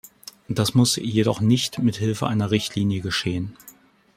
Das muss jedoch nicht mithilfe einer Richtlinie geschehen.